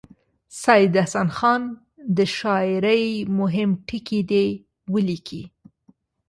سید حسن خان د شاعرۍ مهم ټکي دې ولیکي.